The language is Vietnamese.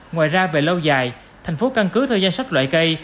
ngoài ra về lâu dài thành phố căn cứ theo danh sách loại cây